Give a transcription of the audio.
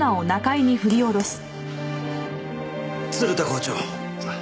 鶴田校長。